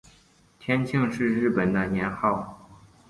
天庆是日本的年号。